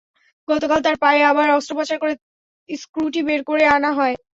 গতকাল তাঁর পায়ে আবার অস্ত্রোপচার করে স্ক্রুটি বের করে আনা হয়।